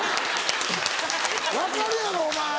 分かるやろお前。